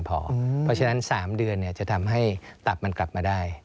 เพราะฉะนั้น๓เดือนจะทำให้ตับมันกลับมาได้